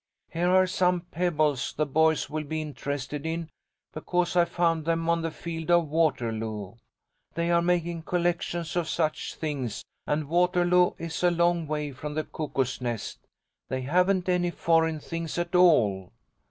Here are some pebbles the boys will be interested in, because I found them on the field of Waterloo. They are making collections of such things, and Waterloo is a long way from the Cuckoo's Nest. They haven't any foreign things at all.